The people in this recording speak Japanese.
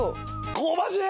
香ばしい！